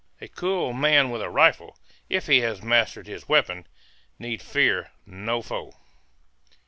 A cool man with a rifle, if he has mastered his weapon, need fear no foe.